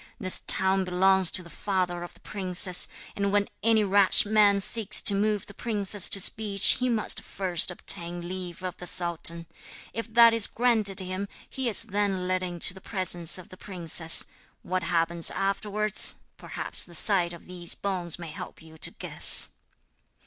This town belongs to the father of the princess, and when any rash man seeks to move the princess to speech he must first obtain leave of the sultan. If that is granted him he is then led into the presence of the princess. What happens afterwards, perhaps the sight of these bones may help you to guess.'